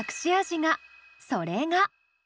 それが。